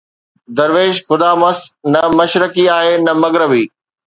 درويش خدا مست نه مشرقي آهي نه مغربي